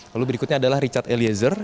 lalu berikutnya adalah richard eliezer